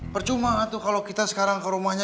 percuma tuh kalau kita sekarang ke rumahnya